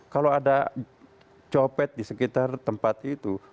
kalau ada copet di sekitar tempat itu